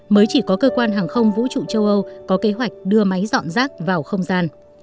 mới chỉ có cơ quan hàng không vũ trụ châu âu có kế hoạch đưa máy dọn rác vào không gian